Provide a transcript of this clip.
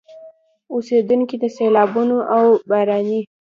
اوسېدونکي د سيلابونو او د باراني